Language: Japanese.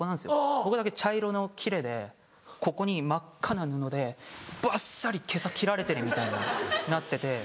僕だけ茶色の切れでここに真っ赤な布でばっさりけさ斬られてるみたいになってて。